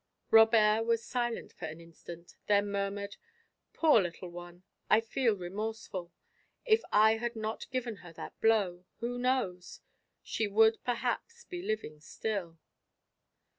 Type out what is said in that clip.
Robert was silent for an instant, then murmured: "Poor little one! I feel remorseful. If I had not given her that blow.... who knows?... she would perhaps be living still....